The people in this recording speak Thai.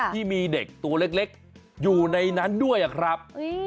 ที่มีเด็กตัวเล็กอยู่ในนั้นด้วยครับ